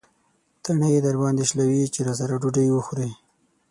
تڼۍ درباندې شلوي چې راسره ډوډۍ وخورې.